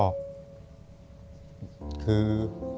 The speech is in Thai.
คือ